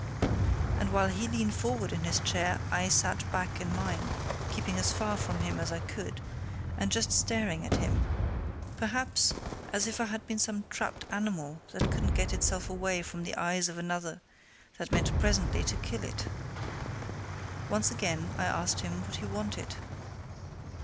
And while he leaned forward in his chair I sat back in mine, keeping as far from him as I could, and just staring at him perhaps as if I had been some trapped animal that couldn't get itself away from the eyes of another that meant presently to kill it. Once again I asked him what he wanted.